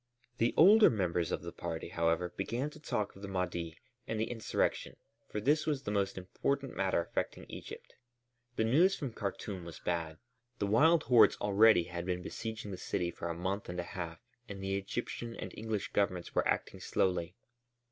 The older members of the party, however, began to talk of the Mahdi and the insurrection, for this was the most important matter affecting Egypt. The news from Khartûm was bad. The wild hordes already had been besieging the city for a month and a half and the Egyptian and English governments were acting slowly.